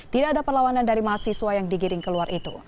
tidak ada perlawanan dari mahasiswa yang digiring keluar itu